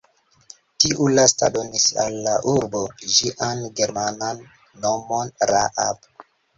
Tiu lasta donis al la urbo ĝian germanan nomon Raab.